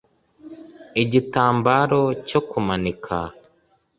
igitambaro cyo kumanika